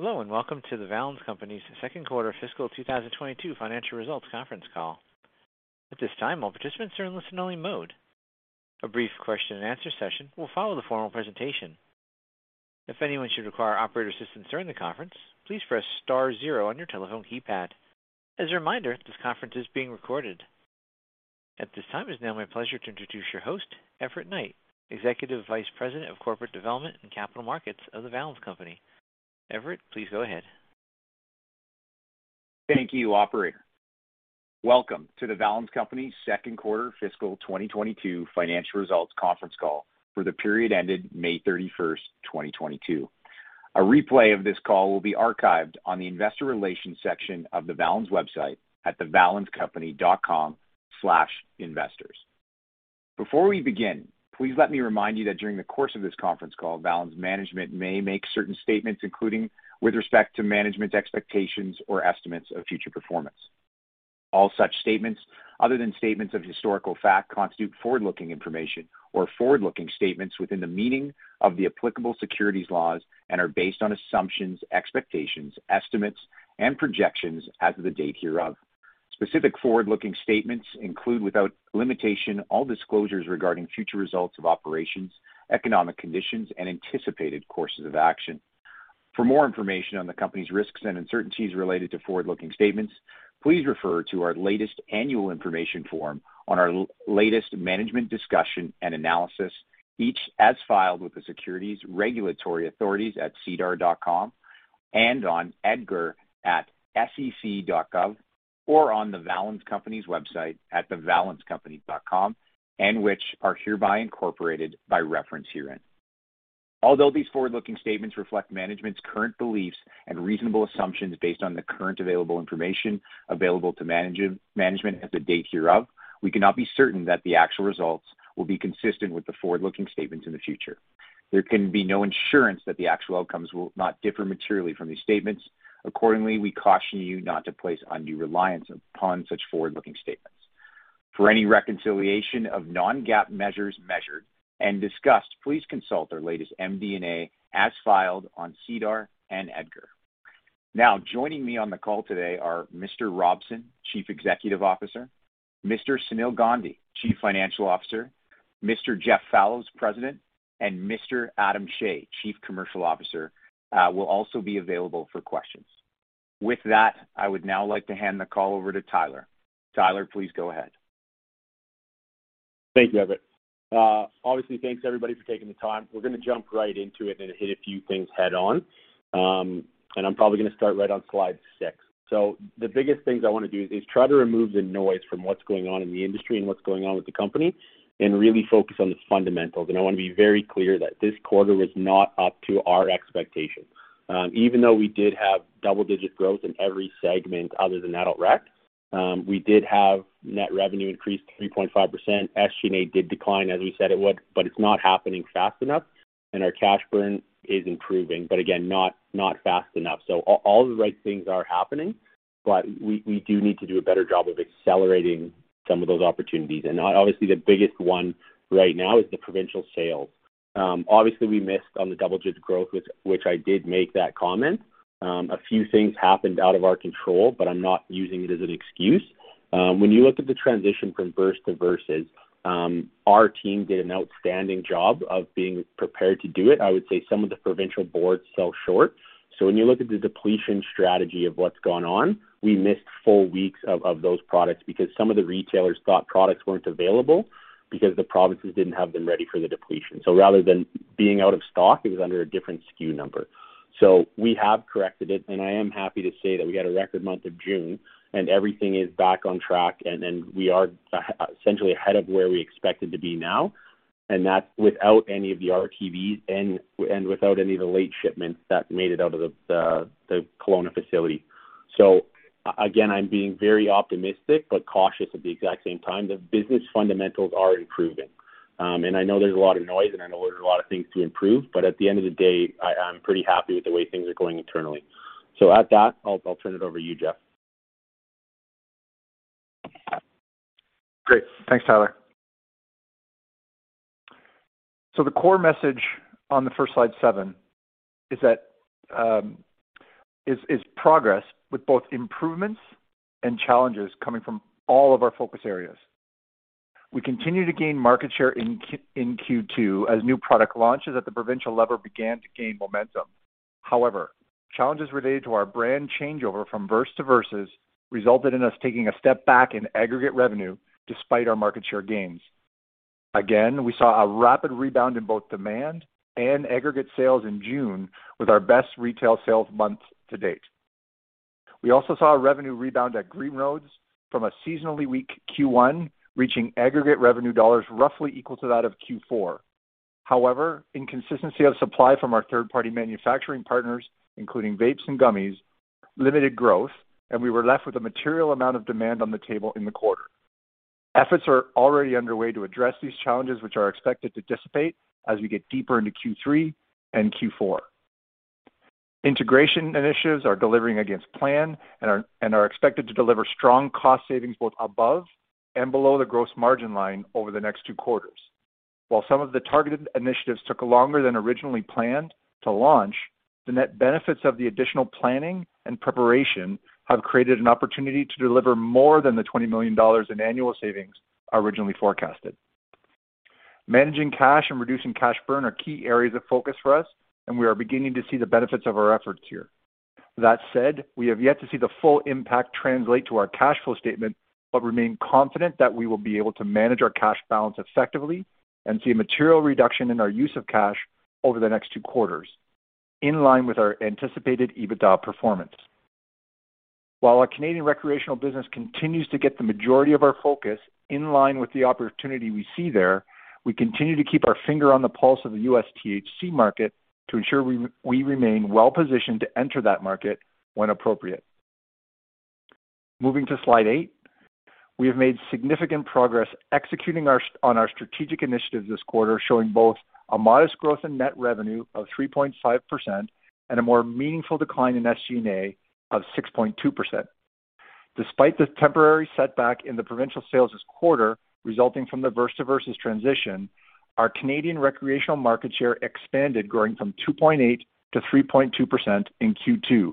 Hello, and welcome to The Valens Company's second quarter fiscal 2022 financial results conference call. At this time, all participants are in listen-only mode. A brief question and answer session will follow the formal presentation. If anyone should require operator assistance during the conference, please press star zero on your telephone keypad. As a reminder, this conference is being recorded. At this time, it's now my pleasure to introduce your host, Everett Knight, Executive Vice President of Corporate Development and Capital Markets of The Valens Company. Everett, please go ahead. Thank you, operator. Welcome to The Valens Company's second quarter fiscal 2022 financial results conference call for the period ended May 31, 2022. A replay of this call will be archived on the investor relations section of the Valens website at thevalenscompany.com/investors. Before we begin, please let me remind you that during the course of this conference call, Valens' management may make certain statements, including with respect to management's expectations or estimates of future performance. All such statements, other than statements of historical fact, constitute forward-looking information or forward-looking statements within the meaning of the applicable securities laws and are based on assumptions, expectations, estimates, and projections as of the date hereof. Specific forward-looking statements include, without limitation, all disclosures regarding future results of operations, economic conditions, and anticipated courses of action. For more information on the company's risks and uncertainties related to forward-looking statements, please refer to our latest annual information form and our latest management discussion and analysis, each as filed with the securities regulatory authorities at SEDAR.com and on EDGAR at sec.gov, or on The Valens Company's website at thevalenscompany.com, and which are hereby incorporated by reference herein. Although these forward-looking statements reflect management's current beliefs and reasonable assumptions based on the current available information available to management as of the date hereof, we cannot be certain that the actual results will be consistent with the forward-looking statements in the future. There can be no assurance that the actual outcomes will not differ materially from these statements. Accordingly, we caution you not to place undue reliance upon such forward-looking statements. For any reconciliation of non-GAAP measures measured and discussed, please consult our latest MD&A as filed on SEDAR and EDGAR. Now, joining me on the call today are Mr. Robson, Chief Executive Officer, Mr. Sunil Gandhi, Chief Financial Officer, Mr. Jeff Fallows, President, and Mr. Adam Shea, Chief Commercial Officer, will also be available for questions. With that, I would now like to hand the call over to Tyler. Tyler, please go ahead. Thank you, Everett. Obviously, thanks everybody for taking the time. We're gonna jump right into it and hit a few things head on. I'm probably gonna start right on slide 6. The biggest things I wanna do is try to remove the noise from what's going on in the industry and what's going on with the company and really focus on the fundamentals. I wanna be very clear that this quarter was not up to our expectations. Even though we did have double-digit growth in every segment other than adult rec, we did have net revenue increase 3.5%. SG&A did decline as we said it would, but it's not happening fast enough, and our cash burn is improving, but again, not fast enough. All the right things are happening, but we do need to do a better job of accelerating some of those opportunities. Obviously, the biggest one right now is the provincial sales. Obviously, we missed on the double-digit growth, which I did make that comment. A few things happened out of our control, but I'm not using it as an excuse. When you look at the transition from Verse to Versus, our team did an outstanding job of being prepared to do it. I would say some of the provincial boards fell short. When you look at the depletion strategy of what's gone on, we missed full weeks of those products because some of the retailers thought products weren't available because the provinces didn't have them ready for the depletion. Rather than being out of stock, it was under a different SKU number. We have corrected it, and I am happy to say that we had a record month of June, and everything is back on track, and we are essentially ahead of where we expected to be now. That's without any of the RTV and without any of the late shipments that made it out of the Kelowna facility. Again, I'm being very optimistic but cautious at the exact same time. The business fundamentals are improving. I know there's a lot of noise, and I know there's a lot of things to improve, but at the end of the day, I'm pretty happy with the way things are going internally. At that, I'll turn it over to you, Jeff. Great. Thanks, Tyler. The core message on the first slide seven is that progress with both improvements and challenges coming from all of our focus areas. We continue to gain market share in Q2 as new product launches at the provincial level began to gain momentum. However, challenges related to our brand changeover from Verse to Versus resulted in us taking a step back in aggregate revenue despite our market share gains. Again, we saw a rapid rebound in both demand and aggregate sales in June with our best retail sales month to date. We also saw a revenue rebound at Green Roads from a seasonally weak Q1, reaching aggregate revenue dollars roughly equal to that of Q4. However, inconsistency of supply from our third-party manufacturing partners, including vapes and gummies, limited growth, and we were left with a material amount of demand on the table in the quarter. Efforts are already underway to address these challenges, which are expected to dissipate as we get deeper into Q3 and Q4. Integration initiatives are delivering against plan and are expected to deliver strong cost savings both above and below the gross margin line over the next two quarters. While some of the targeted initiatives took longer than originally planned to launch, the net benefits of the additional planning and preparation have created an opportunity to deliver more than 20 million dollars in annual savings originally forecasted. Managing cash and reducing cash burn are key areas of focus for us, and we are beginning to see the benefits of our efforts here. That said, we have yet to see the full impact translate to our cash flow statement, but remain confident that we will be able to manage our cash balance effectively and see a material reduction in our use of cash over the next two quarters, in line with our anticipated EBITDA performance. While our Canadian recreational business continues to get the majority of our focus in line with the opportunity we see there, we continue to keep our finger on the pulse of the U.S. THC market to ensure we remain well-positioned to enter that market when appropriate. Moving to slide eight. We have made significant progress executing on our strategic initiatives this quarter, showing both a modest growth in net revenue of 3.5% and a more meaningful decline in SG&A of 6.2%. Despite the temporary setback in the provincial sales this quarter resulting from the Versus transition, our Canadian recreational market share expanded, growing from 2.8%-3.2% in Q2,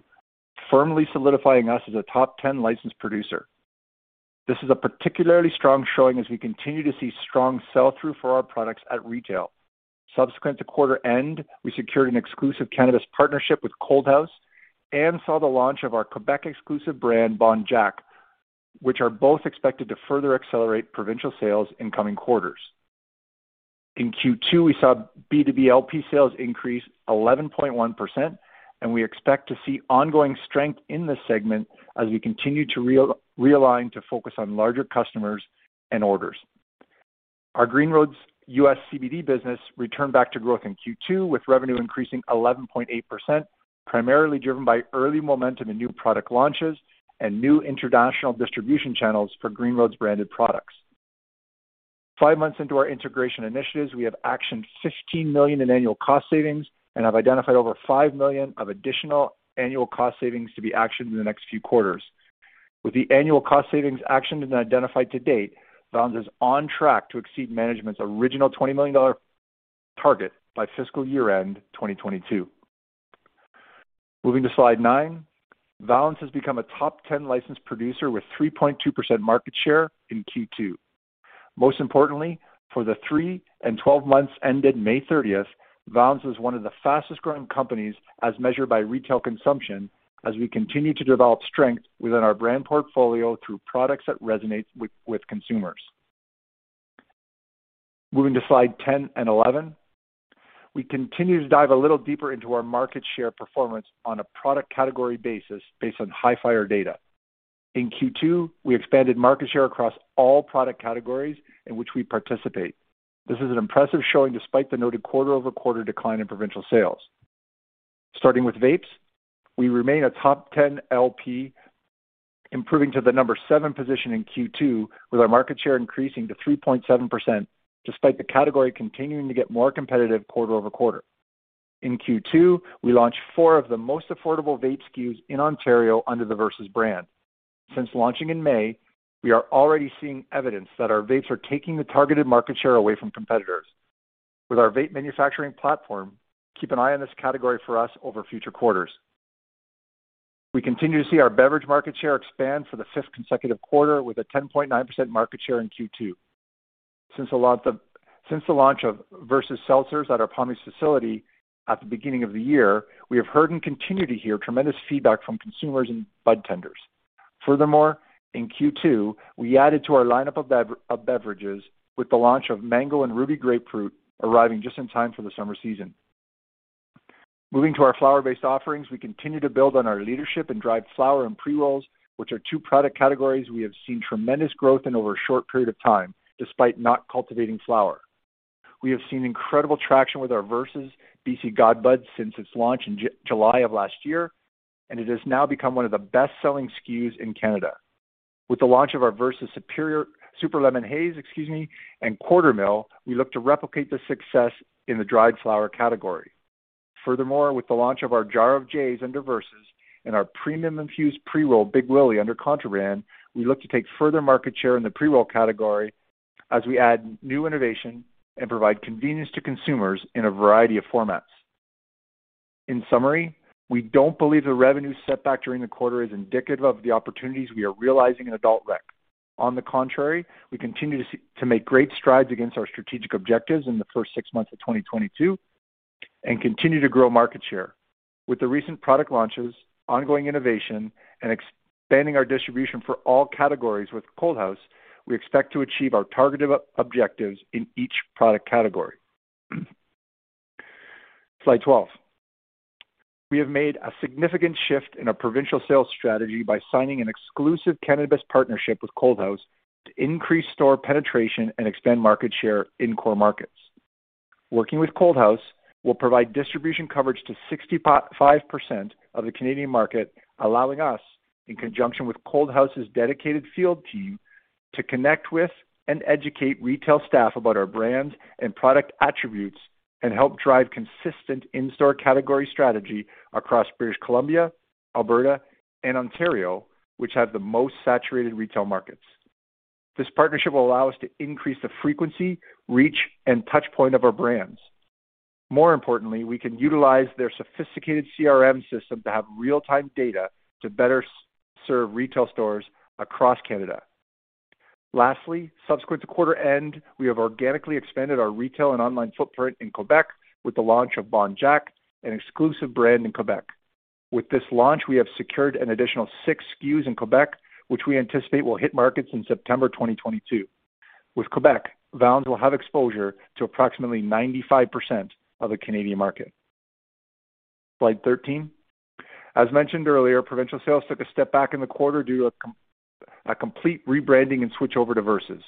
firmly solidifying us as a top ten licensed producer. This is a particularly strong showing as we continue to see strong sell-through for our products at retail. Subsequent to quarter end, we secured an exclusive cannabis partnership with ColdHaus and saw the launch of our Quebec-exclusive brand, Bon Jak, which are both expected to further accelerate provincial sales in coming quarters. In Q2, we saw B2B LP sales increase 11.1%, and we expect to see ongoing strength in this segment as we continue to realign to focus on larger customers and orders. Our Green Roads U.S. CBD business returned back to growth in Q2, with revenue increasing 11.8%, primarily driven by early momentum in new product launches and new international distribution channels for Green Roads branded products. Five months into our integration initiatives, we have actioned 15 million in annual cost savings and have identified over 5 million of additional annual cost savings to be actioned in the next few quarters. With the annual cost savings actioned and identified to date, Valens is on track to exceed management's original 20 million dollar target by fiscal year-end 2022. Moving to slide nine. Valens has become a top ten licensed producer with 3.2% market share in Q2. Most importantly, for the three and 12 months ended May 30th, Valens was one of the fastest-growing companies as measured by retail consumption as we continue to develop strength within our brand portfolio through products that resonate with consumers. Moving to slide 10 and 11. We continue to dive a little deeper into our market share performance on a product category basis based on Hifyre data. In Q2, we expanded market share across all product categories in which we participate. This is an impressive showing despite the noted quarter-over-quarter decline in provincial sales. Starting with vapes, we remain a top 10 LP, improving to the number seven position in Q2, with our market share increasing to 3.7% despite the category continuing to get more competitive quarter-over-quarter. In Q2, we launched four of the most affordable vape SKUs in Ontario under the Versus brand. Since launching in May, we are already seeing evidence that our vapes are taking the targeted market share away from competitors. With our vape manufacturing platform, keep an eye on this category for us over future quarters. We continue to see our beverage market share expand for the fifth consecutive quarter with a 10.9% market share in Q2. Since the launch of Versus Seltzers at our Kelowna facility at the beginning of the year, we have heard and continue to hear tremendous feedback from consumers and budtenders. Furthermore, in Q2, we added to our lineup of beverages with the launch of Mango and Ruby Grapefruit, arriving just in time for the summer season. Moving to our flower-based offerings, we continue to build on our leadership in dried flower and pre-rolls, which are two product categories we have seen tremendous growth in over a short period of time despite not cultivating flower. We have seen incredible traction with our Versus BC God Bud since its launch in July of last year, and it has now become one of the best-selling SKUs in Canada. With the launch of our Versus Super Lemon Haze and Quarter Mil, we look to replicate the success in the dried flower category. Furthermore, with the launch of our Jar of Js under Versus and our premium infused pre-roll Big Willie under Contraband brand, we look to take further market share in the pre-roll category as we add new innovation and provide convenience to consumers in a variety of formats. In summary, we don't believe the revenue setback during the quarter is indicative of the opportunities we are realizing in adult rec. On the contrary, we continue to see, to make great strides against our strategic objectives in the first six months of 2022 and continue to grow market share. With the recent product launches, ongoing innovation, and expanding our distribution for all categories with Coldhaus, we expect to achieve our targeted objectives in each product category. Slide 12. We have made a significant shift in our provincial sales strategy by signing an exclusive cannabis partnership with ColdHaus to increase store penetration and expand market share in core markets. Working with ColdHaus will provide distribution coverage to 65% of the Canadian market, allowing us, in conjunction with ColdHaus's dedicated field team, to connect with and educate retail staff about our brands and product attributes and help drive consistent in-store category strategy across British Columbia, Alberta, and Ontario, which have the most saturated retail markets. This partnership will allow us to increase the frequency, reach, and touch point of our brands. More importantly, we can utilize their sophisticated CRM system to have real-time data to better serve retail stores across Canada. Lastly, subsequent to quarter end, we have organically expanded our retail and online footprint in Quebec with the launch of Bon Jak, an exclusive brand in Quebec. With this launch, we have secured an additional six SKUs in Quebec, which we anticipate will hit markets in September 2022. With Quebec, Valens will have exposure to approximately 95% of the Canadian market. Slide 13. As mentioned earlier, provincial sales took a step back in the quarter due to a complete rebranding and switch over to Versus.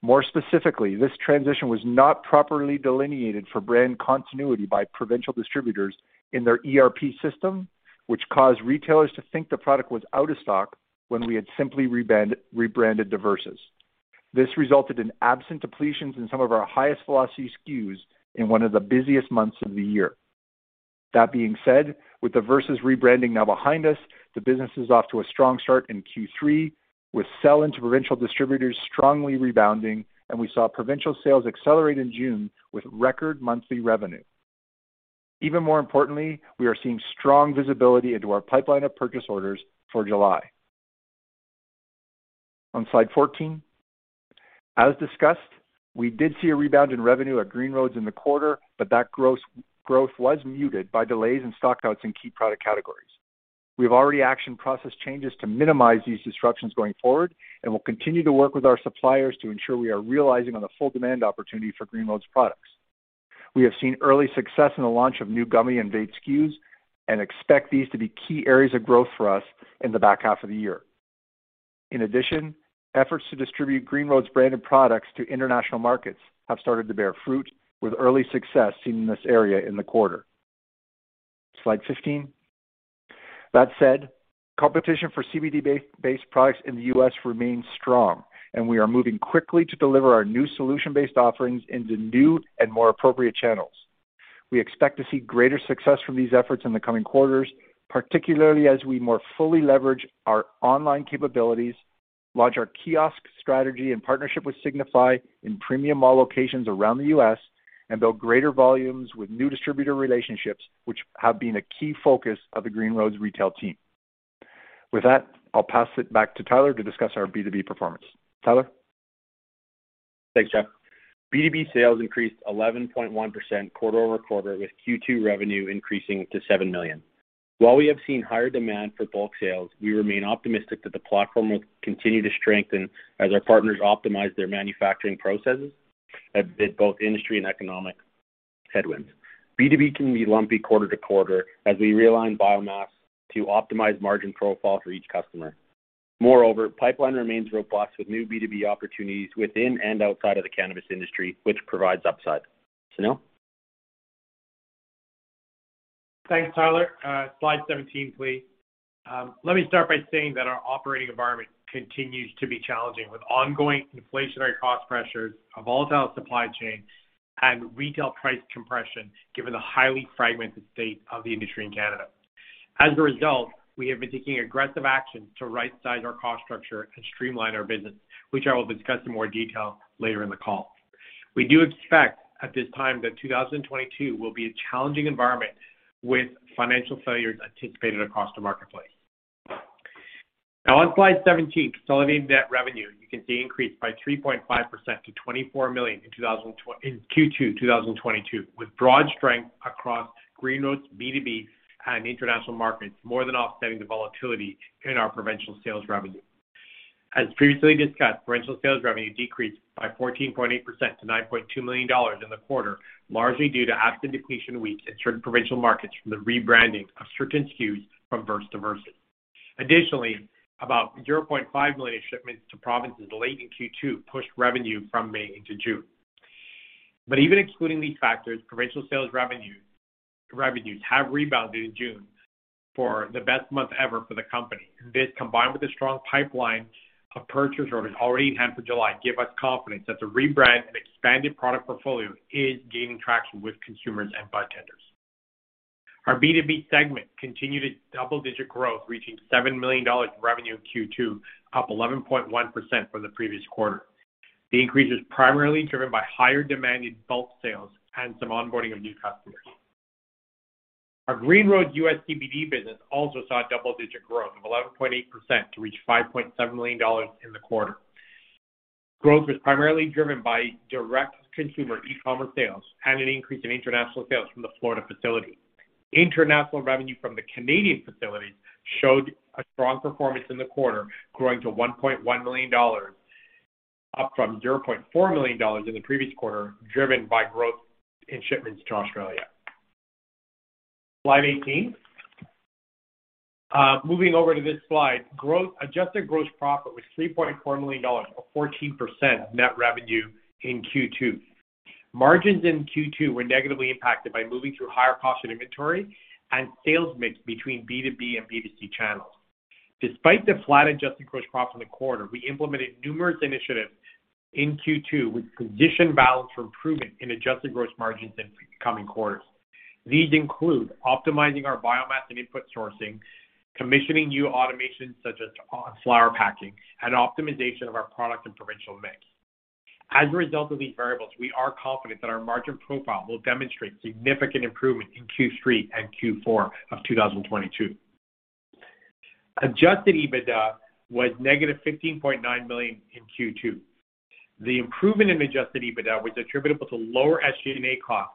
More specifically, this transition was not properly delineated for brand continuity by provincial distributors in their ERP system, which caused retailers to think the product was out of stock when we had simply rebranded to Versus. This resulted in absent depletions in some of our highest velocity SKUs in one of the busiest months of the year. That being said, with the Versus rebranding now behind us, the business is off to a strong start in Q3, with sell into provincial distributors strongly rebounding, and we saw provincial sales accelerate in June with record monthly revenue. Even more importantly, we are seeing strong visibility into our pipeline of purchase orders for July. On slide 14. As discussed, we did see a rebound in revenue at Green Roads in the quarter, but that gross growth was muted by delays in stockouts in key product categories. We have already actioned process changes to minimize these disruptions going forward, and will continue to work with our suppliers to ensure we are realizing on the full demand opportunity for Green Roads products. We have seen early success in the launch of new gummy and vape SKUs, and expect these to be key areas of growth for us in the back half of the year. In addition, efforts to distribute Green Roads branded products to international markets have started to bear fruit, with early success seen in this area in the quarter. Slide 15. That said, competition for CBD-based products in the U.S. remains strong, and we are moving quickly to deliver our new solution-based offerings into new and more appropriate channels. We expect to see greater success from these efforts in the coming quarters, particularly as we more fully leverage our online capabilities, launch our kiosk strategy in partnership with Signifi in premium mall locations around the U.S., and build greater volumes with new distributor relationships, which have been a key focus of the Green Roads retail team. With that, I'll pass it back to Tyler to discuss our B2B performance. Tyler. Thanks, Jeff. B2B sales increased 11.1% quarter-over-quarter, with Q2 revenue increasing to 7 million. While we have seen higher demand for bulk sales, we remain optimistic that the platform will continue to strengthen as our partners optimize their manufacturing processes amid both industry and economic headwinds. B2B can be lumpy quarter-to-quarter as we realign biomass to optimize margin profile for each customer. Moreover, pipeline remains robust with new B2B opportunities within and outside of the cannabis industry, which provides upside. Sunil. Thanks, Tyler. Slide 17, please. Let me start by saying that our operating environment continues to be challenging, with ongoing inflationary cost pressures, a volatile supply chain, and retail price compression, given the highly fragmented state of the industry in Canada. As a result, we have been taking aggressive action to right-size our cost structure and streamline our business, which I will discuss in more detail later in the call. We do expect at this time that 2022 will be a challenging environment with financial failures anticipated across the marketplace. Now on slide 17, consolidated net revenue, you can see increased by 3.5% to 24 million in Q2 2022, with broad strength across Green Roads B2B and international markets, more than offsetting the volatility in our provincial sales revenue. As previously discussed, provincial sales revenue decreased by 14.8% to 9.2 million dollars in the quarter, largely due to absent depletion weeks in certain provincial markets from the rebranding of certain SKUs from Verse to Versus. Additionally, about 0.5 million shipments to provinces delayed in Q2 pushed revenue from May into June. Even excluding these factors, provincial sales revenue, revenues have rebounded in June for the best month ever for the company. This, combined with a strong pipeline of purchase orders already in hand for July, give us confidence that the rebrand and expanded product portfolio is gaining traction with consumers and bartenders. Our B2B segment continued its double-digit growth, reaching 7 million dollars in revenue in Q2, up 11.1% from the previous quarter. The increase is primarily driven by higher demand in bulk sales and some onboarding of new customers. Our Green Roads US CBD business also saw double-digit growth of 11.8% to reach $5.7 million in the quarter. Growth was primarily driven by direct-to-consumer e-commerce sales and an increase in international sales from the Florida facility. International revenue from the Canadian facility showed a strong performance in the quarter, growing to 1.1 million dollars, up from 0.4 million dollars in the previous quarter, driven by growth in shipments to Australia. Slide 18. Moving over to this slide. Adjusted gross profit was 3.4 million dollars, or 14% of net revenue in Q2. Margins in Q2 were negatively impacted by moving through higher cost of inventory and sales mix between B2B and B2C channels. Despite the flat adjusted gross profit in the quarter, we implemented numerous initiatives in Q2, which position Valens for improvement in adjusted gross margins in coming quarters. These include optimizing our biomass and input sourcing, commissioning new automation such as on flower packing, and optimization of our product and provincial mix. As a result of these variables, we are confident that our margin profile will demonstrate significant improvement in Q3 and Q4 of 2022. Adjusted EBITDA was -15.9 million in Q2. The improvement in adjusted EBITDA was attributable to lower SG&A costs,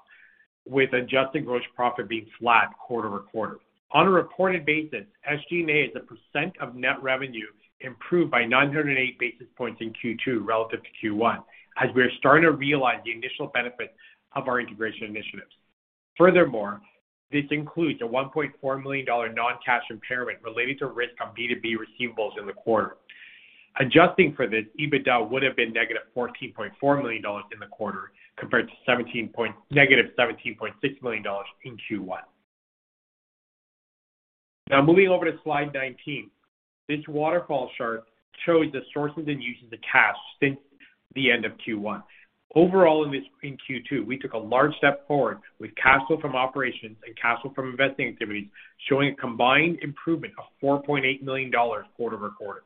with adjusted gross profit being flat quarter over quarter. On a reported basis, SG&A as a percent of net revenue improved by 908 basis points in Q2 relative to Q1 as we are starting to realize the initial benefits of our integration initiatives. Furthermore, this includes a 1.4 million dollar non-cash impairment related to risk on B2B receivables in the quarter. Adjusting for this, EBITDA would have been negative 14.4 million dollars in the quarter compared to negative 17.6 million dollars in Q1. Now moving over to slide 19. This waterfall chart shows the sources and uses of cash since the end of Q1. Overall in Q2, we took a large step forward with cash flow from operations and cash flow from investing activities, showing a combined improvement of 4.8 million dollars quarter-over-quarter.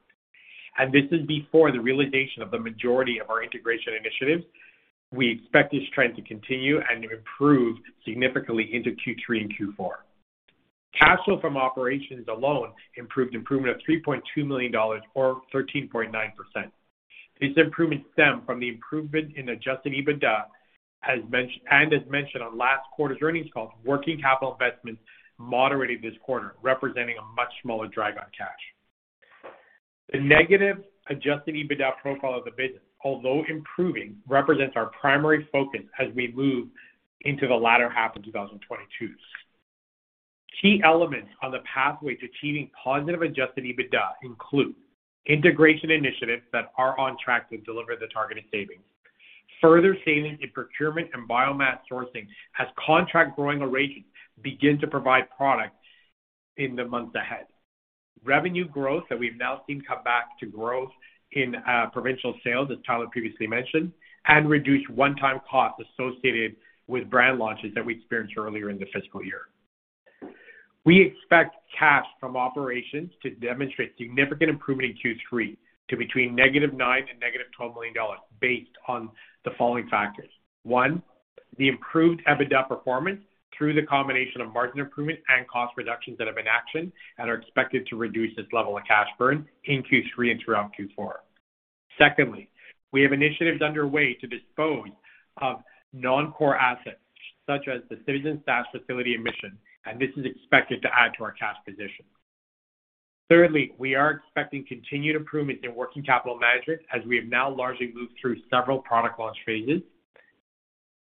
This is before the realization of the majority of our integration initiatives. We expect this trend to continue and to improve significantly into Q3 and Q4. Cash flow from operations alone improved by 3.2 million dollars or 13.9%. This improvement stemmed from the improvement in adjusted EBITDA, and as mentioned on last quarter's earnings call, working capital investments moderated this quarter, representing a much smaller drive on cash. The negative adjusted EBITDA profile of the business, although improving, represents our primary focus as we move into the latter half of 2022. Key elements on the pathway to achieving positive adjusted EBITDA include integration initiatives that are on track to deliver the targeted savings. Further savings in procurement and biomass sourcing as contract growing arrays begin to provide product in the months ahead. Revenue growth that we've now seen come back to growth in provincial sales, as Tyler previously mentioned, and reduced one-time costs associated with brand launches that we experienced earlier in the fiscal year. We expect cash from operations to demonstrate significant improvement in Q3 to between -9 million and -12 million dollars based on the following factors. One, the improved EBITDA performance through the combination of margin improvement and cost reductions that have been actioned and are expected to reduce this level of cash burn in Q3 and throughout Q4. Secondly, we have initiatives underway to dispose of non-core assets such as the Citizen Stash facility in Mission, and this is expected to add to our cash position. Thirdly, we are expecting continued improvements in working capital management as we have now largely moved through several product launch phases.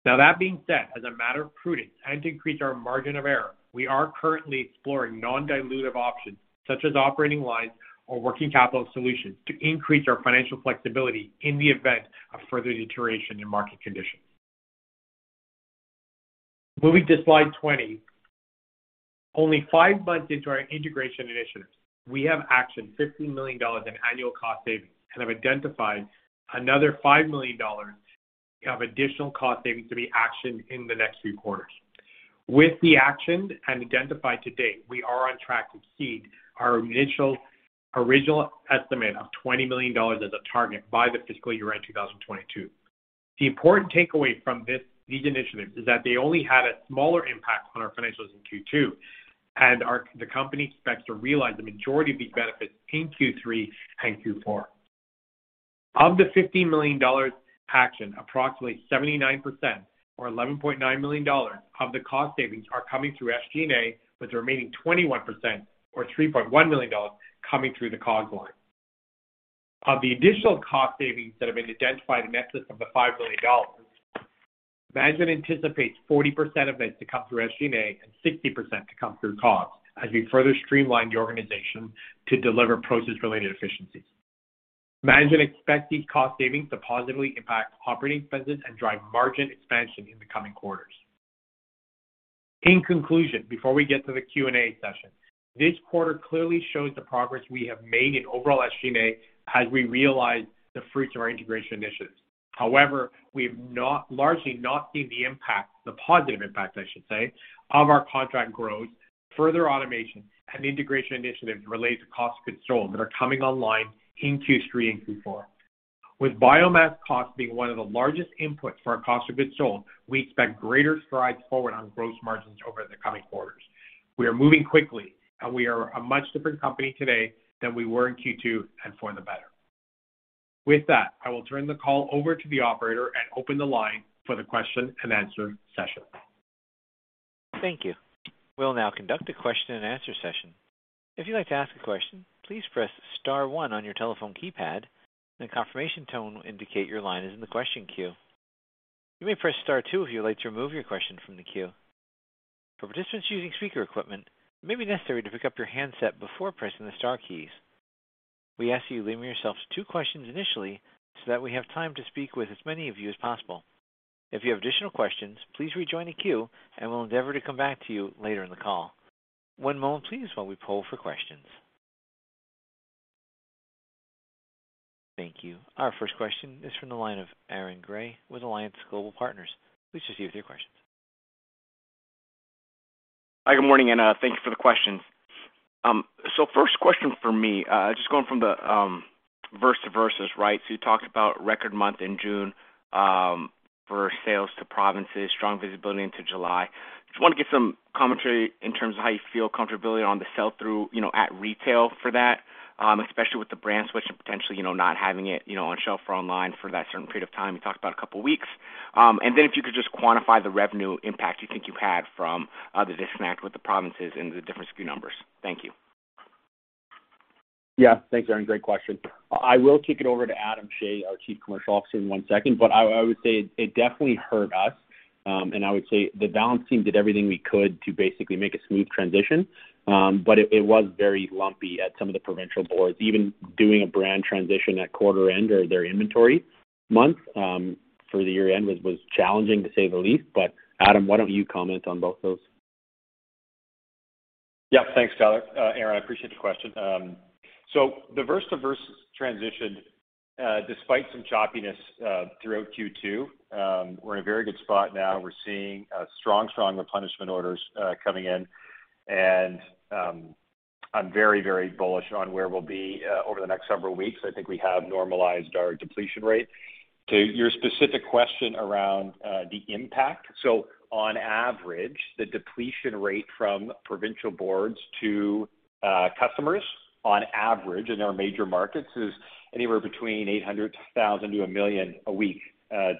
Now that being said, as a matter of prudence and to increase our margin of error, we are currently exploring non-dilutive options such as operating lines or working capital solutions to increase our financial flexibility in the event of further deterioration in market conditions. Moving to slide 20. Only five months into our integration initiatives, we have actioned 15 million dollars in annual cost savings and have identified another 5 million dollars of additional cost savings to be actioned in the next few quarters. With the actioned and identified to date, we are on track to exceed our initial original estimate of 20 million dollars as a target by the fiscal year-end 2022. The important takeaway from these initiatives is that they only had a smaller impact on our financials in Q2, and the company expects to realize the majority of these benefits in Q3 and Q4. Of the 15 million dollars actioned, approximately 79% or 11.9 million dollars of the cost savings are coming through SG&A, with the remaining 21% or 3.1 million dollars coming through the COGS line. Of the additional cost savings that have been identified in excess of the 5 million dollars, Management anticipates 40% of this to come through SG&A and 60% to come through COGS as we further streamline the organization to deliver process-related efficiencies. Management expects these cost savings to positively impact operating expenses and drive margin expansion in the coming quarters. In conclusion, before we get to the Q&A session, this quarter clearly shows the progress we have made in overall SG&A as we realize the fruits of our integration initiatives. However, we've not, largely not seen the impact, the positive impact, I should say, of our contract growth, further automation and integration initiatives related to cost of goods sold that are coming online in Q3 and Q4. With biomass costs being one of the largest inputs for our cost of goods sold, we expect greater strides forward on gross margins over the coming quarters. We are moving quickly, and we are a much different company today than we were in Q2 and for the better. With that, I will turn the call over to the operator and open the line for the question and answer session. Thank you. We'll now conduct a question and answer session. If you'd like to ask a question, please press star one on your telephone keypad and a confirmation tone will indicate your line is in the question queue. You may press Star two if you would like to remove your question from the queue. For participants using speaker equipment, it may be necessary to pick up your handset before pressing the star keys. We ask that you limit yourselves to two questions initially so that we have time to speak with as many of you as possible. If you have additional questions, please rejoin the queue, and we'll endeavor to come back to you later in the call. One moment please while we poll for questions. Thank you. Our first question is from the line of Aaron Grey with Alliance Global Partners. Please proceed with your questions. Hi, good morning, and thanks for the questions. So first question from me, just going from the Verse to Versus, right? You talked about record month in June for sales to provinces, strong visibility into July. Just want to get some commentary in terms of how you feel comfortability on the sell-through, you know, at retail for that, especially with the brand switch and potentially, you know, not having it, you know, on shelf or online for that certain period of time. You talked about a couple weeks. And then if you could just quantify the revenue impact you think you had from the disconnect with the provinces and the different SKU numbers. Thank you. Yeah. Thanks, Aaron. Great question. I will kick it over to Adam Shea, our Chief Commercial Officer, in one second, but I would say it definitely hurt us. I would say the Valens team did everything we could to basically make a smooth transition. It was very lumpy at some of the provincial boards. Even doing a brand transition at quarter end or their inventory month, for the year-end was challenging, to say the least. Adam, why don't you comment on both those? Yeah. Thanks, Tyler. Aaron, I appreciate the question. So the Verse to Versus transition, despite some choppiness, throughout Q2, we're in a very good spot now. We're seeing strong replenishment orders coming in, and I'm very bullish on where we'll be over the next several weeks. I think we have normalized our depletion rate. To your specific question around the impact. On average, the depletion rate from provincial boards to customers on average in our major markets is anywhere between 800 to 1,000 to 1 million a week,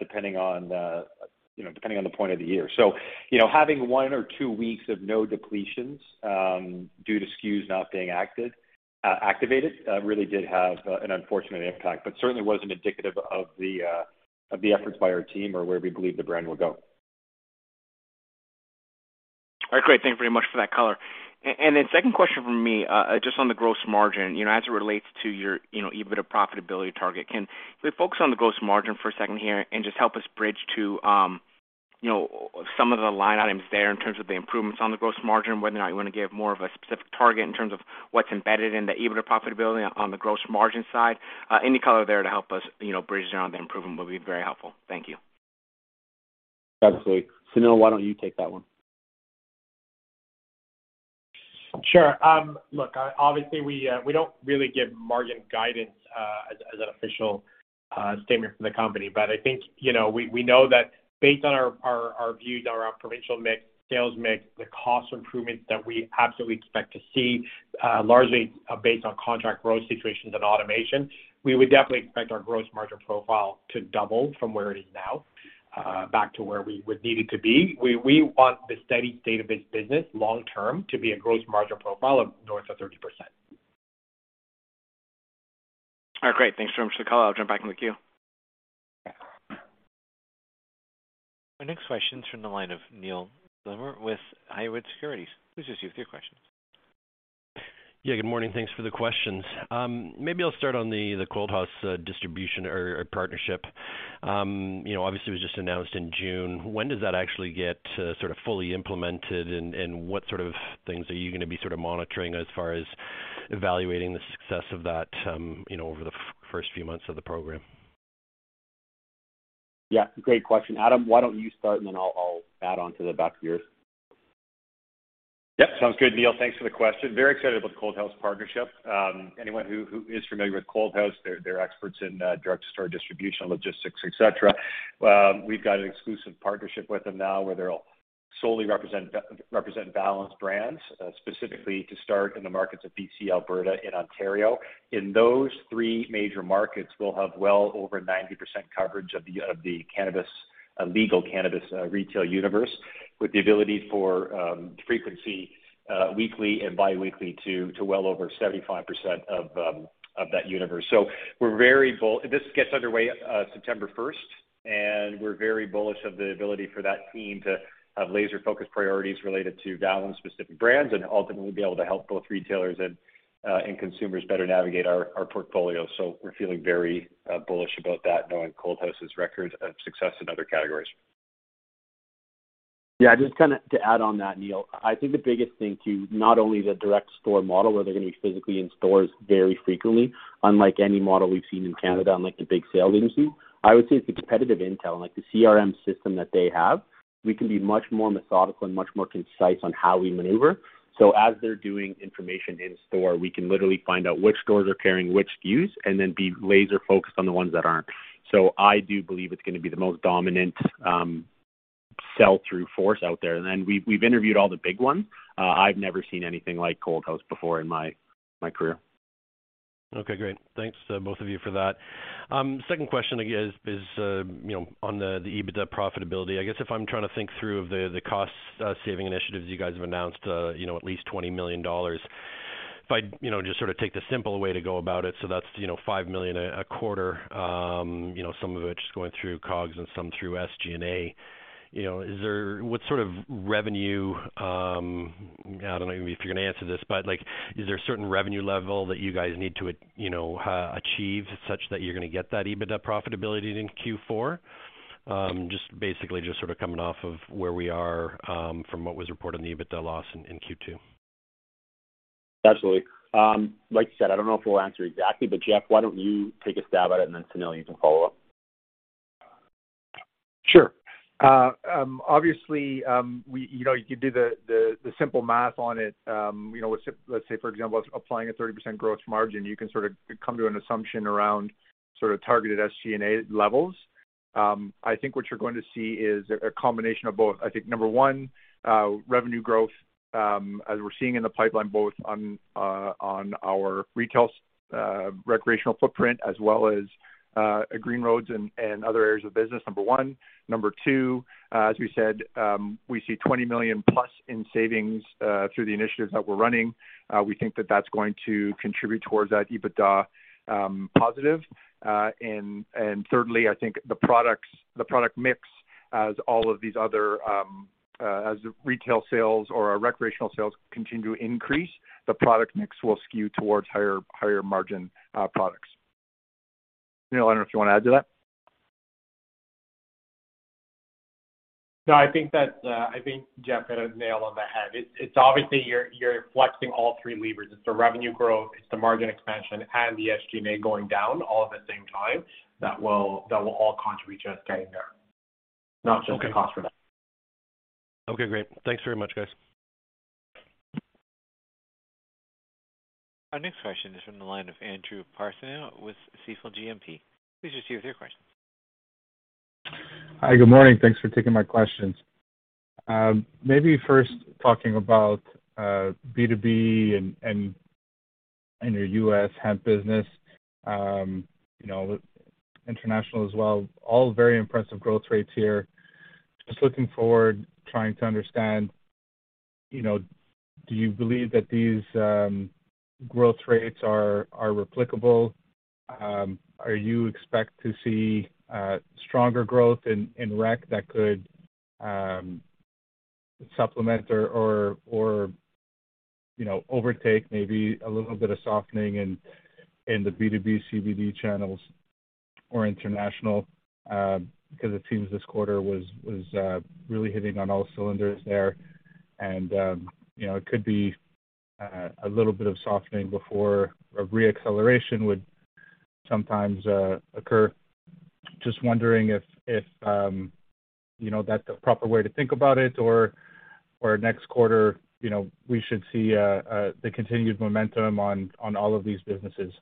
depending on the, you know, depending on the point of the year. You know, having one or two weeks of no depletions due to SKUs not being activated really did have an unfortunate impact, but certainly wasn't indicative of the efforts by our team or where we believe the brand will go. All right, great. Thank you very much for that color. Second question from me, just on the gross margin, you know, as it relates to your, you know, EBITDA profitability target. Can we focus on the gross margin for a second here and just help us bridge to, you know, some of the line items there in terms of the improvements on the gross margin, whether or not you wanna give more of a specific target in terms of what's embedded in the EBITDA profitability on the gross margin side. Any color there to help us, you know, bridge around the improvement will be very helpful. Thank you. Absolutely. Sunil, why don't you take that one? Sure. Look, obviously we don't really give margin guidance as an official statement from the company. I think, you know, we know that based on our views, our provincial mix, sales mix, the cost improvements that we absolutely expect to see, largely based on contract growth situations and automation, we would definitely expect our gross margin profile to double from where it is now, back to where we would need it to be. We want the steady state of this business long term to be a gross margin profile of north of 30%. All right, great. Thanks so much for the color. I'll jump back in the queue. Our next question is from the line of Neal Gilmer with Haywood Securities. Please proceed with your question. Yeah, good morning. Thanks for the questions. Maybe I'll start on the ColdHaus distribution or partnership. You know, obviously it was just announced in June. When does that actually get sort of fully implemented, and what sort of things are you gonna be sort of monitoring as far as evaluating the success of that, you know, over the first few months of the program? Yeah, great question. Adam, why don't you start and then I'll add onto the back of yours. Yeah. Sounds good, Neil. Thanks for the question. Very excited about the ColdHaus partnership. Anyone who is familiar with ColdHaus, they're experts in drug store distribution, logistics, et cetera. We've got an exclusive partnership with them now where they'll solely represent Valens brands, specifically to start in the markets of BC, Alberta, and Ontario. In those three major markets, we'll have well over 90% coverage of the legal cannabis retail universe with the ability for frequency, weekly and biweekly to well over 75% of that universe. We're very bullish. This gets underway September first, and we're very bullish of the ability for that team to have laser-focused priorities related to Valens-specific brands and ultimately be able to help both retailers and consumers better navigate our portfolio. We're feeling very bullish about that, knowing ColdHaus's record of success in other categories. Yeah, just kinda to add on that, Neil. I think the biggest thing to not only the direct store model where they're gonna be physically in stores very frequently, unlike any model we've seen in Canada, unlike the big sales industry. I would say it's the competitive intel, like the CRM system that they have. We can be much more methodical and much more concise on how we maneuver. As they're doing information in store, we can literally find out which stores are carrying which SKUs and then be laser focused on the ones that aren't. I do believe it's gonna be the most dominant sell-through force out there. We've interviewed all the big ones. I've never seen anything like ColdHaus before in my career. Okay, great. Thanks to both of you for that. Second question is, you know, on the EBITDA profitability. I guess if I'm trying to think through the cost saving initiatives you guys have announced, you know, at least 20 million dollars. If I, you know, just sort of take the simple way to go about it, that's, you know, 5 million a quarter, you know, some of it just going through COGS and some through SG&A. You know, is there what sort of revenue? I don't know if you're gonna answer this, but like, is there a certain revenue level that you guys need to, you know, achieve such that you're gonna get that EBITDA profitability in Q4? Just basically just sort of coming off of where we are, from what was reported in the EBITDA loss in Q2. Absolutely. Like you said, I don't know if we'll answer exactly, but Jeff, why don't you take a stab at it and then Sunil, you can follow up. Sure. Obviously, we, you know, you could do the simple math on it. You know, let's say for example, applying a 30% growth margin, you can sort of come to an assumption around sort of targeted SG&A levels. I think what you're going to see is a combination of both. I think number one, revenue growth, as we're seeing in the pipeline, both on our retail recreational footprint as well as Green Roads and other areas of business, number one. Number two, as we said, we see 20 million+ in savings through the initiatives that we're running. We think that that's going to contribute towards that EBITDA positive. Thirdly, I think the products, the product mix as all of these other as the retail sales or our recreational sales continue to increase, the product mix will skew towards higher margin products. Sunil, I don't know if you wanna add to that. No, I think Jeff hit a nail on the head. It's obviously you're flexing all three levers. It's the revenue growth, it's the margin expansion and the SG&A going down all at the same time that will all contribute to us getting there. Okay. Not just the cost reduction. Okay, great. Thanks very much, guys. Our next question is from the line of Andrew Partheniou with Stifel GMP. Please just give your question. Hi, good morning. Thanks for taking my questions. Maybe first talking about B2B and your U.S. hemp business, you know, international as well, all very impressive growth rates here. Just looking forward, trying to understand, you know, do you believe that these growth rates are replicable? Do you expect to see stronger growth in rec that could supplement or, you know, overtake maybe a little bit of softening in the B2B CBD channels or international, because it seems this quarter was really hitting on all cylinders there. You know, it could be a little bit of softening before a re-acceleration would sometimes occur. Just wondering if you know that's the proper way to think about it or next quarter you know we should see the continued momentum on all of these businesses.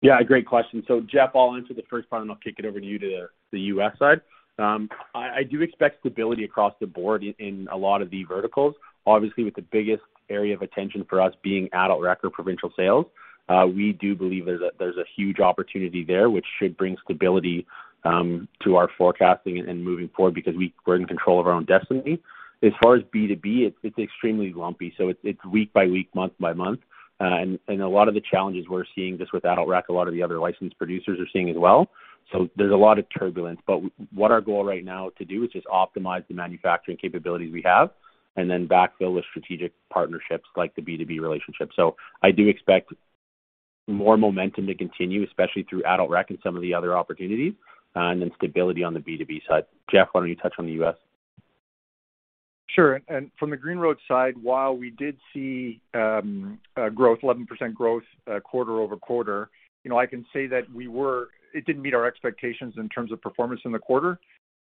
Yeah, great question. Jeff, I'll answer the first part, and I'll kick it over to you to the US side. I do expect stability across the board in a lot of the verticals. Obviously, with the biggest area of attention for us being adult rec or provincial sales. We do believe there's a huge opportunity there, which should bring stability to our forecasting and moving forward because we're in control of our own destiny. As far as B2B, it's extremely lumpy, so it's week by week, month by month. A lot of the challenges we're seeing just with adult rec, a lot of the other licensed producers are seeing as well. There's a lot of turbulence, but what our goal right now to do is just optimize the manufacturing capabilities we have and then backfill with strategic partnerships like the B2B relationship. I do expect more momentum to continue, especially through adult rec and some of the other opportunities, and then stability on the B2B side. Jeff, why don't you touch on the US? Sure. From the Green Roads side, while we did see a growth, 11% growth, quarter-over-quarter, you know, I can say that it didn't meet our expectations in terms of performance in the quarter.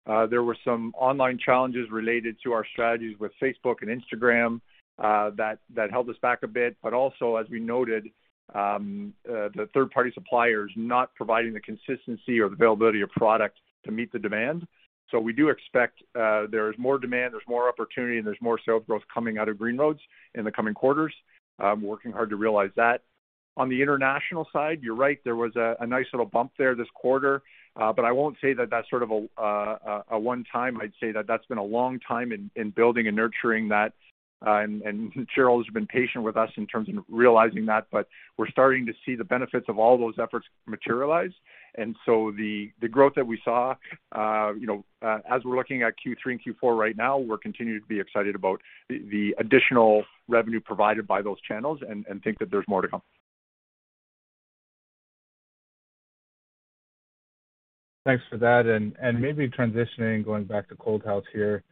There were some online challenges related to our strategies with Facebook and Instagram that held us back a bit. But also, as we noted, the third-party suppliers not providing the consistency or the availability of product to meet the demand. We do expect there's more demand, there's more opportunity, and there's more sales growth coming out of Green Roads in the coming quarters. We're working hard to realize that. On the international side, you're right, there was a nice little bump there this quarter, but I won't say that that's sort of a one time. I'd say that that's been a long time in building and nurturing that, and Cheryl has been patient with us in terms of realizing that, but we're starting to see the benefits of all those efforts materialize. The growth that we saw, you know, as we're looking at Q3 and Q4 right now, we're continuing to be excited about the additional revenue provided by those channels and think that there's more to come. Thanks for that. Maybe transitioning, going back to Coldhaus here,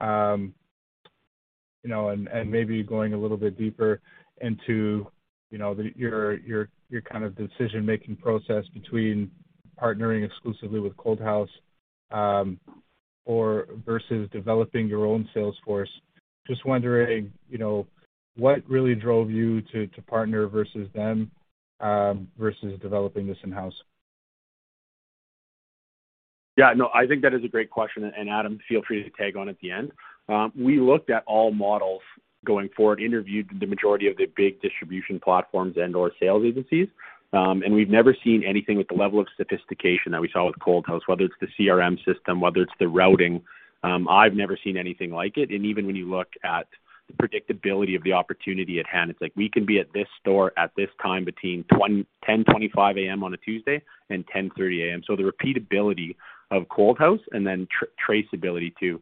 you know, maybe going a little bit deeper into, you know, your kind of decision-making process between partnering exclusively with ColdHaus, or versus developing your own sales force. Just wondering, you know, what really drove you to partner versus them, versus developing this in-house? Yeah, no, I think that is a great question. Adam, feel free to tag on at the end. We looked at all models going forward, interviewed the majority of the big distribution platforms and/or sales agencies. We've never seen anything with the level of sophistication that we saw with ColdHaus, whether it's the CRM system, whether it's the routing. I've never seen anything like it. Even when you look at the predictability of the opportunity at hand, it's like we can be at this store at this time between 10:25 A.M. on a Tuesday and 10:30 A.M. The repeatability of ColdHaus and then traceability to,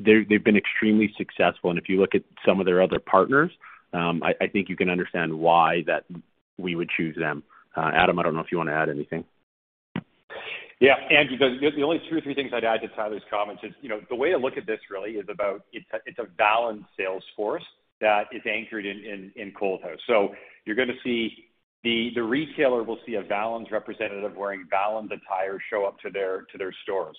they've been extremely successful. If you look at some of their other partners, I think you can understand why that we would choose them. Adam, I don't know if you wanna add anything. Yeah, Andy, the only two or three things I'd add to Tyler's comments is, you know, the way I look at this really is about it's a Valens sales force that is anchored in ColdHaus. You're gonna see the retailer will see a Valens representative wearing Valens attire show up to their store.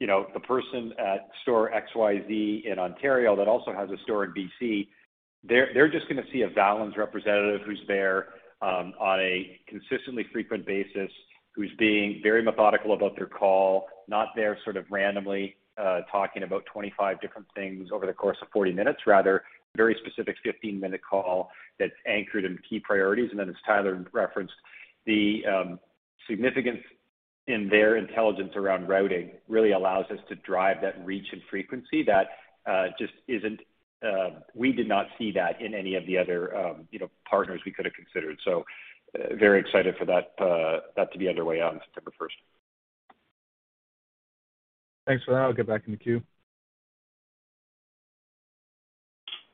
You know, the person at store XYZ in Ontario that also has a store in BC, they're just gonna see a Valens representative who's there on a consistently frequent basis, who's being very methodical about their call, not there sort of randomly talking about 25 different things over the course of 40 minutes. Rather, very specific 15-minute call that's anchored in key priorities. As Tyler referenced, the significance in their intelligence around routing really allows us to drive that reach and frequency that just isn't. We did not see that in any of the other, you know, partners we could have considered. Very excited for that to be underway on September 1st. Thanks for that. I'll get back in the queue.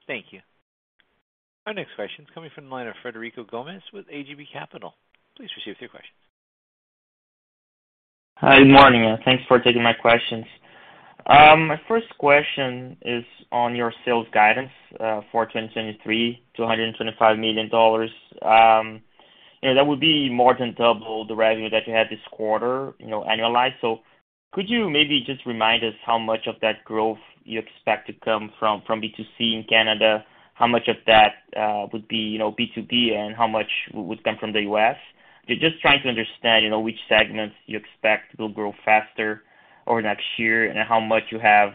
Thank you. Our next question is coming from the line of Frederico Gomes with ATB Capital Markets. Please proceed with your question. Hi, good morning, and thanks for taking my questions. My first question is on your sales guidance for 2023, 225 million dollars. You know, that would be more than double the revenue that you had this quarter, you know, annualized. Could you maybe just remind us how much of that growth you expect to come from B2C in Canada? How much of that would be, you know, B2B, and how much would come from the U.S.? Just trying to understand, you know, which segments you expect will grow faster over the next year, and how much you have,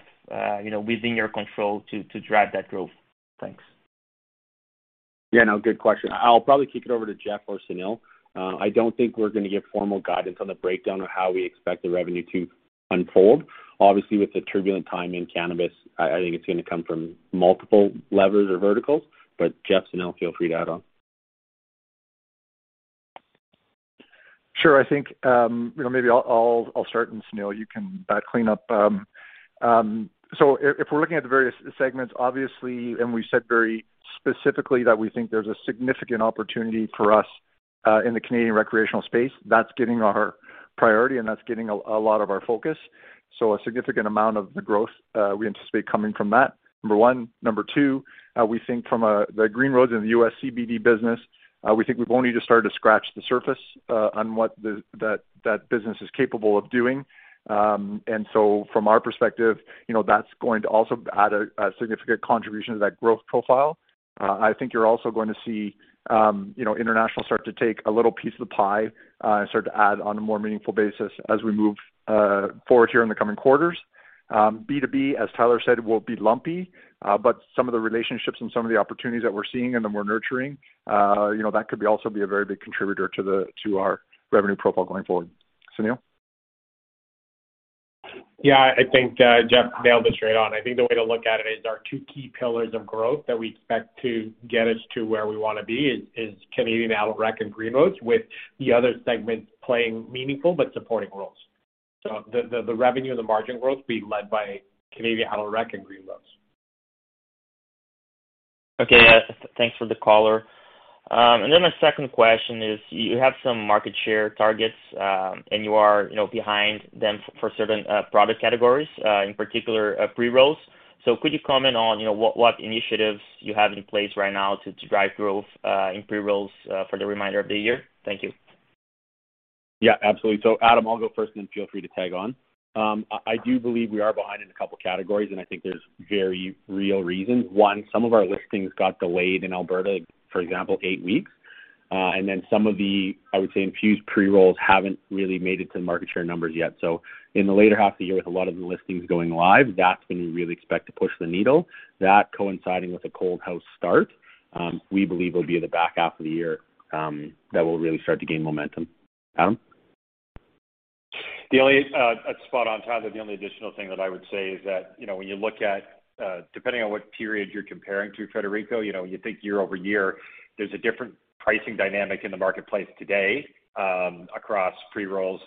you know, within your control to drive that growth. Thanks. Yeah, no, good question. I'll probably kick it over to Jeff or Sunil. I don't think we're gonna give formal guidance on the breakdown of how we expect the revenue to unfold. Obviously, with the turbulent time in cannabis, I think it's gonna come from multiple levers or verticals. Jeff, Sunil, feel free to add on. Sure. I think, you know, maybe I'll start, and Sunil, you can clean up. If we're looking at the various segments, obviously, we said very specifically that we think there's a significant opportunity for us in the Canadian recreational space, that's getting our priority and that's getting a lot of our focus. A significant amount of the growth we anticipate coming from that, number one. Number two, we think the Green Roads in the U.S. CBD business, we think we've only just started to scratch the surface on what that business is capable of doing. From our perspective, you know, that's going to also add a significant contribution to that growth profile. I think you're also going to see, you know, international start to take a little piece of the pie, and start to add on a more meaningful basis as we move forward here in the coming quarters. B2B, as Tyler said, will be lumpy, but some of the relationships and some of the opportunities that we're seeing and that we're nurturing, you know, that could also be a very big contributor to our revenue profile going forward. Sunil? Yeah. I think, Jeff nailed it straight on. I think the way to look at it is our two key pillars of growth that we expect to get us to where we wanna be is Canadian adult rec and Green Roads, with the other segments playing meaningful but supporting roles. The revenue and the margin growth will be led by Canadian adult rec and Green Roads. Okay. Yeah. Thanks for the color. My second question is you have some market share targets, and you are, you know, behind them for certain product categories, in particular, pre-rolls. Could you comment on, you know, what initiatives you have in place right now to drive growth in pre-rolls for the remainder of the year? Thank you. Yeah, absolutely. Adam, I'll go first and then feel free to tag on. I do believe we are behind in a couple categories, and I think there's very real reasons. One, some of our listings got delayed in Alberta, for example, eight weeks. And then some of the, I would say, infused pre-rolls haven't really made it to market share numbers yet. In the later half of the year, with a lot of the listings going live, that's when we really expect to push the needle. That coinciding with the Coldhaus start, we believe will be the back half of the year, that we'll really start to gain momentum. Adam? That's spot on, Tyler. The only additional thing that I would say is that, you know, when you look at, depending on what period you're comparing to, Frederico, you know, when you think year-over-year, there's a different pricing dynamic in the marketplace today, across pre-rolls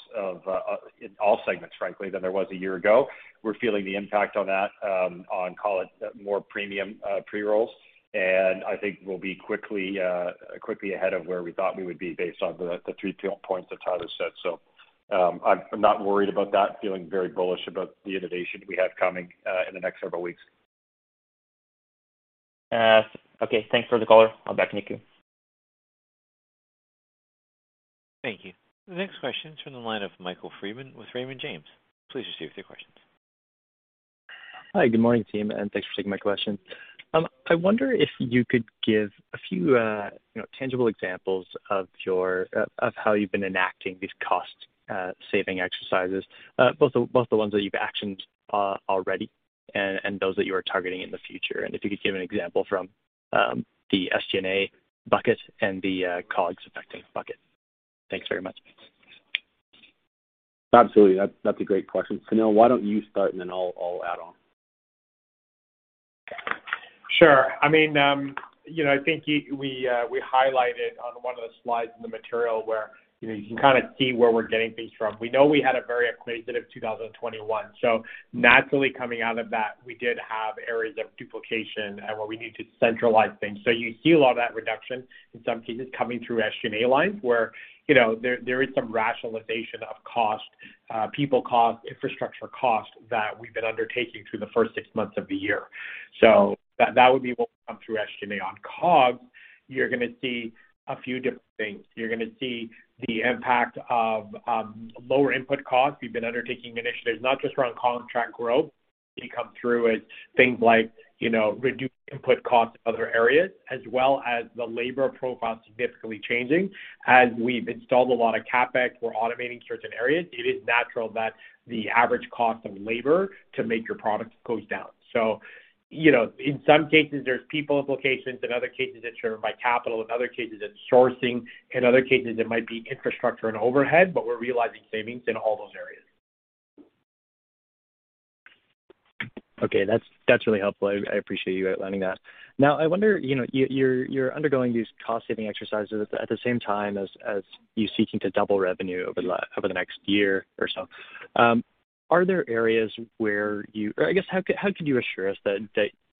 in all segments, frankly, than there was a year ago. We're feeling the impact on that, on call it more premium pre-rolls. I think we'll be quickly ahead of where we thought we would be based on the three points that Tyler said. I'm not worried about that. Feeling very bullish about the innovation we have coming in the next several weeks. Okay. Thanks for the color. I'm back in the queue. Thank you. The next question is from the line of Michael Freeman with Raymond James. Please proceed with your questions. Hi. Good morning, team, and thanks for taking my question. I wonder if you could give a few, you know, tangible examples of how you've been enacting these cost saving exercises, both the ones that you've actioned already and those that you are targeting in the future. If you could give an example from the SG&A bucket and the COGS-affecting bucket. Thanks very much. Absolutely. That's a great question. Sunil, why don't you start and then I'll add on? Sure. I mean, you know, I think we highlighted on one of the slides in the material where, you know, you can kind of see where we're getting things from. We know we had a very acquisitive 2021, so naturally coming out of that, we did have areas of duplication and where we need to centralize things. You see a lot of that reduction in some cases coming through SG&A lines where, you know, there is some rationalization of cost, people cost, infrastructure cost that we've been undertaking through the first six months of the year. That would be what would come through SG&A. On COGS, you're gonna see a few different things. You're gonna see the impact of lower input costs. We've been undertaking initiatives not just around contract growth to come through with things like, you know, reduced input costs in other areas, as well as the labor profile significantly changing. As we've installed a lot of CapEx, we're automating certain areas. It is natural that the average cost of labor to make your products goes down. You know, in some cases there's people implications, in other cases it's driven by capital, in other cases it's sourcing, in other cases it might be infrastructure and overhead, but we're realizing savings in all those areas. Okay, that's really helpful. I appreciate you outlining that. Now, I wonder, you know, you're undergoing these cost-saving exercises at the same time as you're seeking to double revenue over the next year or so. Are there areas where you, or I guess, how could you assure us that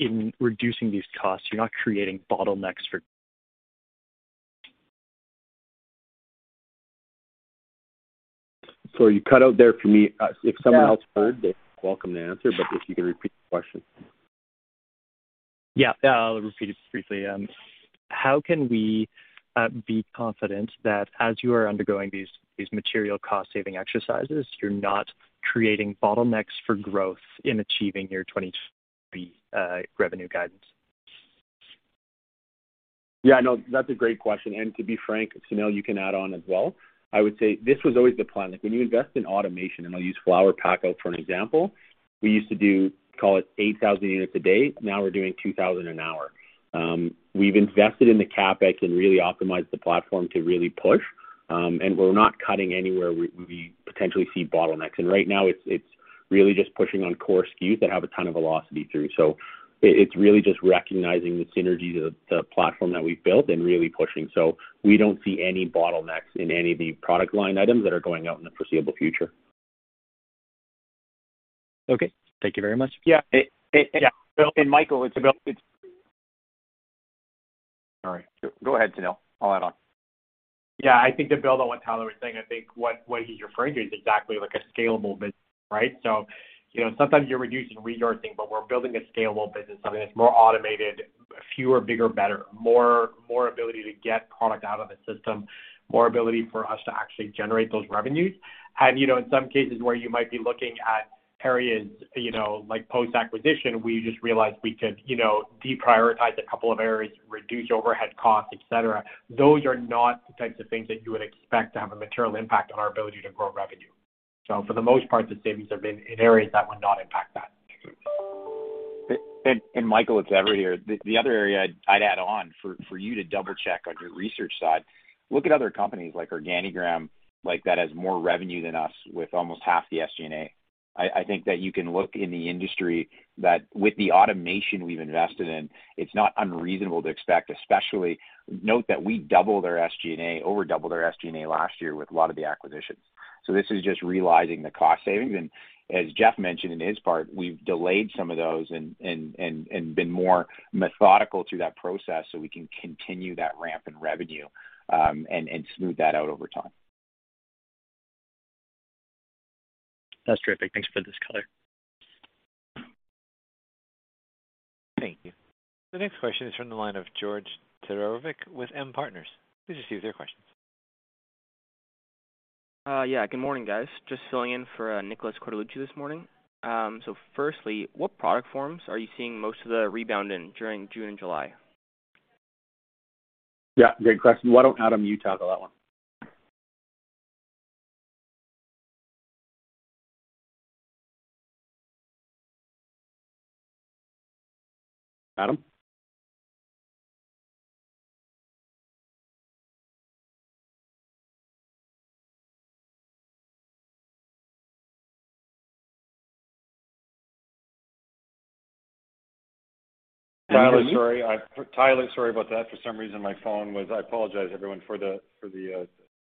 in reducing these costs, you're not creating bottlenecks for- Sorry, you cut out there for me. If someone else heard, they're welcome to answer, but if you can repeat the question. Yeah. I'll repeat it briefly. How can we be confident that as you are undergoing these material cost-saving exercises, you're not creating bottlenecks for growth in achieving your 2023 revenue guidance? Yeah, no, that's a great question. To be frank, Sunil, you can add on as well. I would say this was always the plan. Like, when you invest in automation, and I'll use flower packout for an example, we used to do, call it 8,000 units a day. Now we're doing 2,000 an hour. We've invested in the CapEx and really optimized the platform to really push, and we're not cutting anywhere we potentially see bottlenecks. Right now it's really just pushing on core SKUs that have a ton of velocity through. It's really just recognizing the synergy, the platform that we've built and really pushing. We don't see any bottlenecks in any of the product line items that are going out in the foreseeable future. Okay. Thank you very much. Yeah. Michael, to build- Sorry. Go ahead, Sunil. I'll add on. Yeah, I think to build on what Tyler was saying, I think what he's referring to is exactly like a scalable business, right? You know, sometimes you're reducing resourcing, but we're building a scalable business. I mean, it's more automated, fewer, bigger, better, more ability to get product out of the system, more ability for us to actually generate those revenues. You know, in some cases where you might be looking at periods, you know, like post-acquisition, we just realized we could, you know, deprioritize a couple of areas, reduce overhead costs, et cetera. Those are not the types of things that you would expect to have a material impact on our ability to grow revenue. For the most part, the savings have been in areas that would not impact that. Michael, it's Everett here. The other area I'd add on for you to double-check on your research side, look at other companies like Organigram, like that has more revenue than us with almost half the SG&A. I think that you can look in the industry that with the automation we've invested in, it's not unreasonable to expect, especially note that we doubled our SG&A, over doubled our SG&A last year with a lot of the acquisitions. This is just realizing the cost savings. As Jeff mentioned in his part, we've delayed some of those and been more methodical through that process so we can continue that ramp in revenue, and smooth that out over time. That's terrific. Thanks for the color. Thank you. The next question is from the line of George Todorovic with M Partners. Please proceed with your question. Good morning, guys. Just filling in for Nicholas Cortellucci this morning. Firstly, what product forms are you seeing most of the rebound in during June and July? Yeah, great question. Why don't you, Adam, tackle that one? Adam? Tyler, sorry about that. I apologize, everyone, for the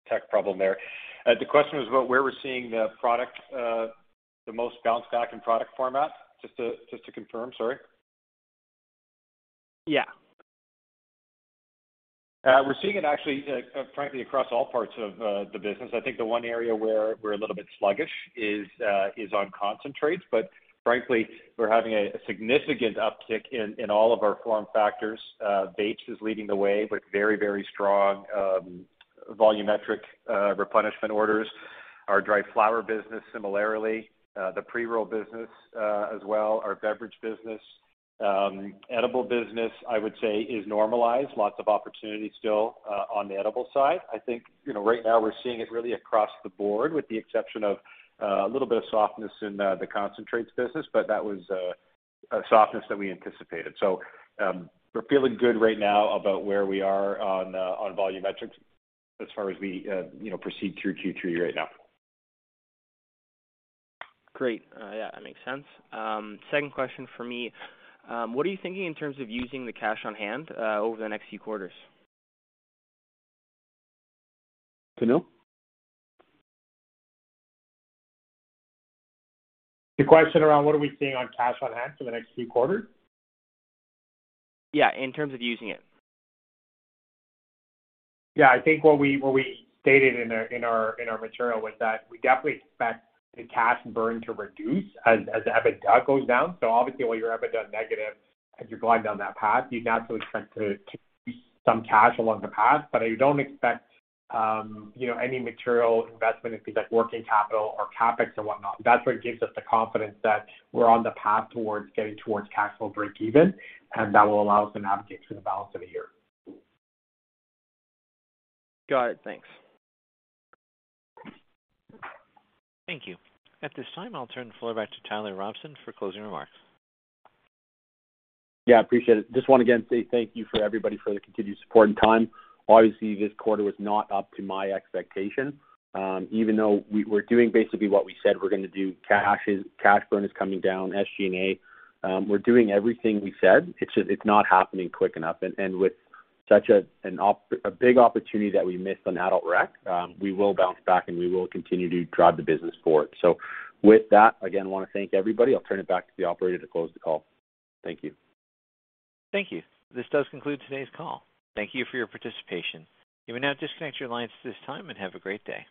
tech problem there. The question was about where we're seeing the product, the most bounce back in product format. Just to confirm. Sorry. Yeah. We're seeing it actually, frankly, across all parts of the business. I think the one area where we're a little bit sluggish is on concentrates. Frankly, we're having a significant uptick in all of our form factors. Vapes is leading the way with very, very strong volumetric replenishment orders. Our dried flower business similarly. The pre-roll business, as well, our beverage business. Edible business, I would say, is normalized. Lots of opportunity still on the edible side. I think, you know, right now we're seeing it really across the board, with the exception of a little bit of softness in the concentrates business, but that was a softness that we anticipated. We're feeling good right now about where we are on volumetrics as far as we, you know, proceed through Q3 right now. Great. Yeah, that makes sense. Second question for me. What are you thinking in terms of using the cash on hand, over the next few quarters? Sunil? The question around what are we seeing on cash on hand for the next few quarters? Yeah, in terms of using it. Yeah. I think what we stated in our material was that we definitely expect the cash burn to reduce as the EBITDA goes down. Obviously, while your EBITDA is negative, as you're gliding down that path, you naturally expect to use some cash along the path. I don't expect, you know, any material investment in things like working capital or CapEx or whatnot. That's what gives us the confidence that we're on the path towards getting towards cash flow break even, and that will allow us to navigate through the balance of the year. Got it. Thanks. Thank you. At this time, I'll turn the floor back to Tyler Robson for closing remarks. Yeah, appreciate it. Just wanna again say thank you for everybody for the continued support and time. Obviously, this quarter was not up to my expectations. Even though we're doing basically what we said we're gonna do, cash burn is coming down, SG&A, we're doing everything we said. It's just, it's not happening quick enough. With such a big opportunity that we missed on adult rec, we will bounce back, and we will continue to drive the business forward. With that, again, wanna thank everybody. I'll turn it back to the operator to close the call. Thank you. Thank you. This does conclude today's call. Thank you for your participation. You may now disconnect your lines at this time, and have a great day.